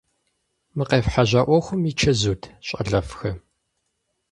Мы къефхьэжьа ӏуэхум и чэзут, щӏалэфӏхэ?